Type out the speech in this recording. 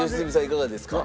いかがですか？